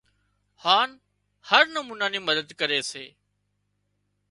هانَ هر نمونا نِي مدد ڪري سي